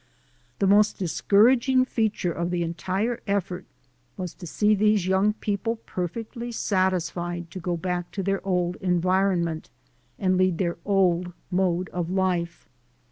The most discouraging feature of the entire effort was to see these young people perfectly satis fied to go back to their old environment, and lead their old mode of life.